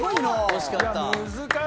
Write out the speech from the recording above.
惜しかった。